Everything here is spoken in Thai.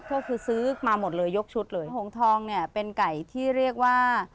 ก็คือซื้อมาหมดเลยยกชุดเลยหงทองเนี่ยเป็นไก่ที่เรียกว่า